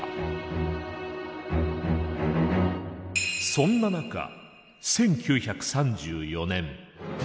そんな中１９３４年。